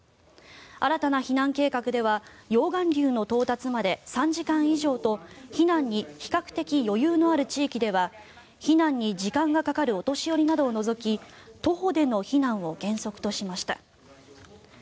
新たな避難計画では溶岩流の到達まで３時間以上と避難に比較的余裕のある地域では避難に時間がかかるお年寄りなどを除き徒歩での避難を原則としました。